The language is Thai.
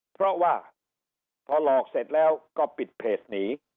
เพราะว่าพอหลอกเสร็จแล้วก็ปิดเพจหนี